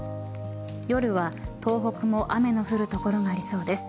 夜は東北も雨の降る所がありそうです。